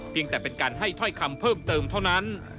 แต่เป็นการให้ถ้อยคำเพิ่มเติมเท่านั้น